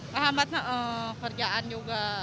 kehambat kerjaan juga